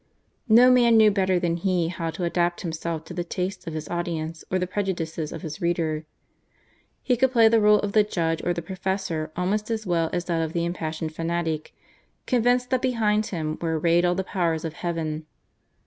No man knew better than he how to adapt himself to the tastes of his audience or the prejudices of his readers. He could play the role of the judge or the professor almost as well as that of the impassioned fanatic convinced that behind him were arrayed all the powers of Heaven.